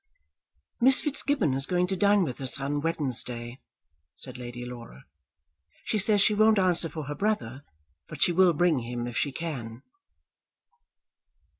"Miss Fitzgibbon is going to dine with us on Wednesday," said Lady Laura. "She says she won't answer for her brother, but she will bring him if she can."